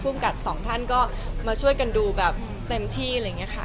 ภูมิกับสองท่านก็มาช่วยกันดูแบบเต็มที่อะไรอย่างนี้ค่ะ